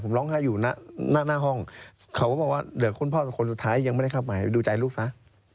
ผมร้องไห้อยู่หน้าห้องเขาก็บอกว่าเหลือคุณพ่อคนสุดท้ายยังไม่ได้เข้าไปดูใจลูกซะ